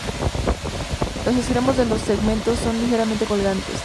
Los extremos de los segmentos son ligeramente colgantes.